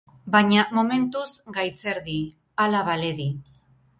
Baina, momentuz, gaitzerdi, hala baledi.